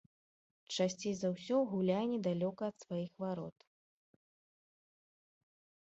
Часцей за ўсё гуляе недалёка ад сваіх варот.